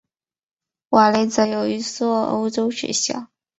瓦雷泽有一座欧洲学校。